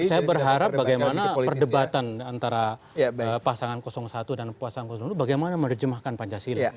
jadi saya berharap bagaimana perdebatan antara pasangan satu dan pasangan bagaimana menerjemahkan pancasila